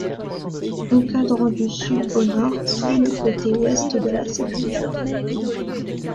Encadrant du sud au nord, tout le côté ouest de la sépulture.